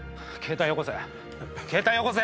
携帯よこせ。